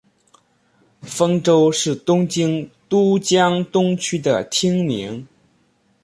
丰洲是东京都江东区的町名。